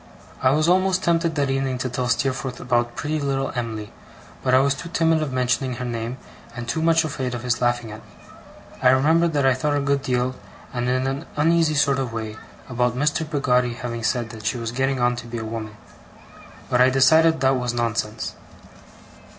I was almost tempted that evening to tell Steerforth about pretty little Em'ly, but I was too timid of mentioning her name, and too much afraid of his laughing at me. I remember that I thought a good deal, and in an uneasy sort of way, about Mr. Peggotty having said that she was getting on to be a woman; but I decided that was nonsense.